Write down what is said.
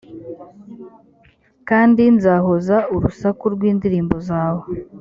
kandi nzahoza urusaku rw’indirimbo zawe